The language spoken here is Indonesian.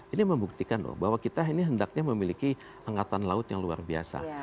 ini membuktikan bahwa kita ini hendaknya memiliki angkatan laut yang luar biasa